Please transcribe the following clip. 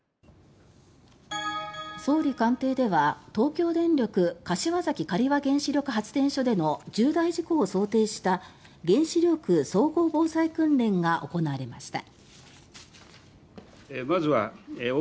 総理官邸では東京電力柏崎刈羽原子力発電所での重大事故を想定した原子力総合防災訓練が行われました。